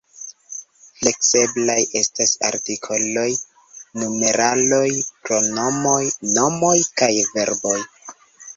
Flekseblaj estas artikoloj, numeraloj, pronomoj, nomoj kaj verboj.